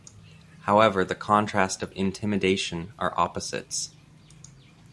However the contrast of intimidation are opposites.